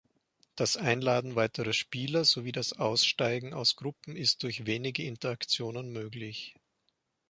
Das Einladen weiterer Spieler, sowie das Aussteigen aus Gruppen ist durch wenige Interaktionen möglich.